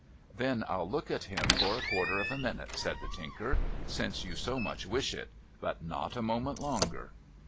' Then I'll look at him for a quarter of a minute,' said the Tinker, ' since you so much wish it ; but not a moment longer.'